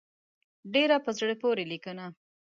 ډېره په زړه پورې لیکنه.